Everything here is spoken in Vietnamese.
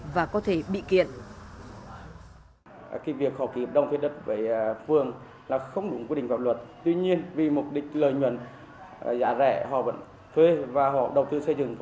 và có thể bị kiện